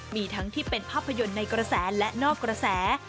มีทั้งที่เป็นภาพยนตร์ในกระแสและนอกกระแส